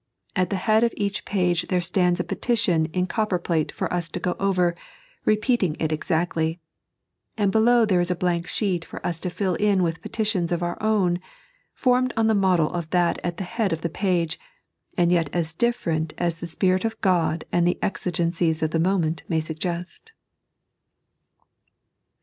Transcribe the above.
At the head of each page there stands a petition in copperplate for us to go over, repeating it exactly; and below there is a blank sheet for us to fill in with petitions of our own, formed on the model of that at the head of the page, and yet as different ss the Spirit of God and the exigencies of the moment may suggest.